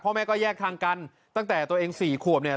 แม่ก็แยกทางกันตั้งแต่ตัวเองสี่ขวบเนี่ย